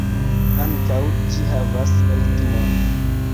Ankaŭ ĝi havas ritmon.